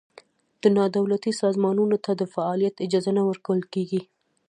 نا دولتي سازمانونو ته د فعالیت اجازه نه ورکول کېږي.